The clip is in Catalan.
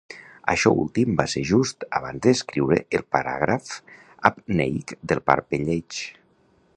Això últim va ser just abans d'escriure el paràgraf apneic del parpelleig.